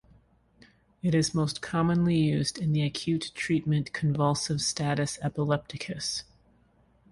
It is most commonly used in the acute treatment convulsive status epilepticus.